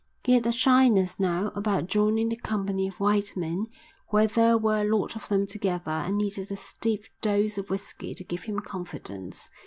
He had a shyness now about joining the company of white men when there were a lot of them together and needed a stiff dose of whisky to give him confidence.